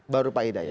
baru pak hidayat